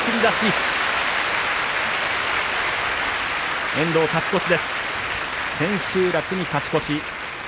千秋楽に勝ち越し。